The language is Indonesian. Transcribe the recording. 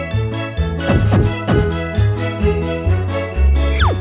sebaliknya kau pergi jenis seperti suatu teman siapa di tempat